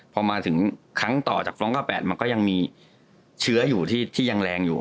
พอมาถึงครั้งต่อจาก๒๙๘มันก็ยังมีเชื้ออยู่ที่ยังแรงอยู่